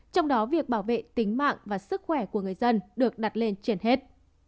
trong đó việc bảo vệ tính mạng và sức khỏe của người dân được đặt lên trên hết